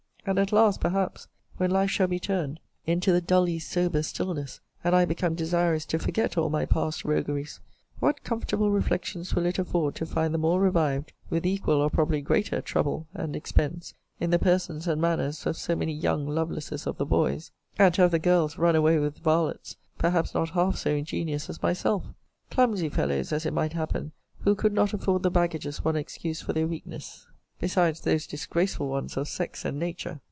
And at last, perhaps, when life shall be turned into the dully sober stillness, and I become desirous to forget all my past rogueries, what comfortable reflections will it afford to find them all revived, with equal, or probably greater trouble and expense, in the persons and manners of so many young Lovelaces of the boys; and to have the girls run away with varlets, perhaps not half so ingenious as myself; clumsy fellows, as it might happen, who could not afford the baggages one excuse for their weakness, besides those disgraceful ones of sex and nature!